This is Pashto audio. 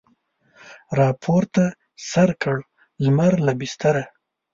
راپورته سر کړ لمر له بستره